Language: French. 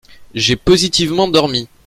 J’ai positivement dormi…